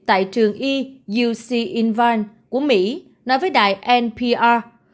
tại trường y uc invong của mỹ nói với đài npr